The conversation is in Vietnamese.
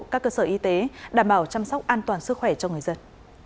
các cơ sở y tế đảm bảo chăm sóc an toàn sức khỏe cho người dân